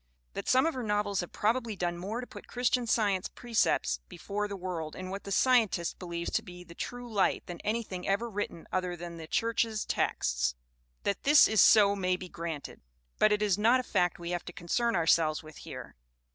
That some of her novels have probably done more to put Christian Science precepts before the world in what the Scientist believes to be the true light than anything ever written other than the church's texts that this is so may be granted. But it is not a fact we have to concern ourselves with here.